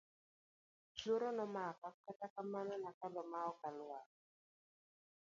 Luoro nomaka kata kamano nakalo ma ok alwar.